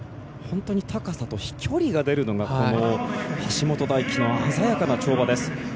高さと飛距離が出るのが橋本大輝の鮮やかな跳馬です。